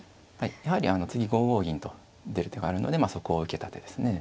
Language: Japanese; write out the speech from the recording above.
やはりあの次５五銀と出る手があるのでまあそこを受けた手ですね。